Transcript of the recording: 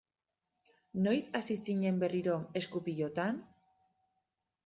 Noiz hasi zinen berriro esku-pilotan?